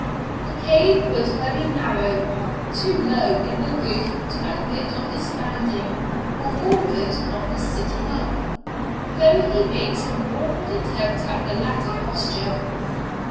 The cave was very narrow, too low in the roof to admit of his standing, or almost of his sitting up, though he made some awkward attempts at the latter posture.